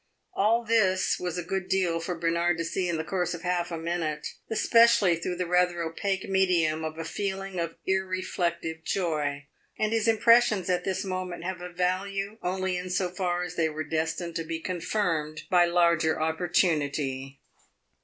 All this was a good deal for Bernard to see in the course of half a minute, especially through the rather opaque medium of a feeling of irreflective joy; and his impressions at this moment have a value only in so far as they were destined to be confirmed by larger opportunity.